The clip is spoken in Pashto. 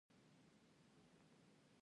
د شبت پاڼې د څه لپاره وکاروم؟